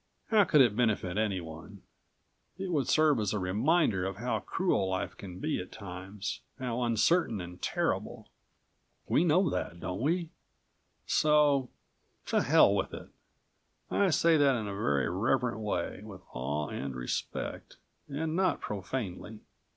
How could it benefit anyone? It would serve as a reminder of how cruel life can be at times, how uncertain and terrible. We know that, don't we? So ... to hell with it ... I say that in a very reverent way, with awe and respect, and not profanely.